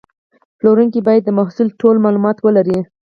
پلورونکی باید د محصول ټول معلومات ولري.